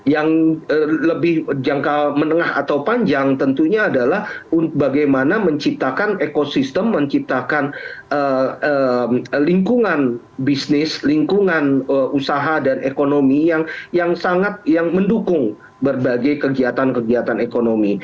yang lebih jangka menengah atau panjang tentunya adalah bagaimana menciptakan ekosistem menciptakan lingkungan bisnis lingkungan usaha dan ekonomi yang sangat yang mendukung berbagai kegiatan kegiatan ekonomi